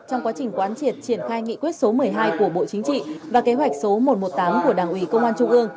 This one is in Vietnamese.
trong quá trình quán triệt triển khai nghị quyết số một mươi hai của bộ chính trị và kế hoạch số một trăm một mươi tám của đảng ủy công an trung ương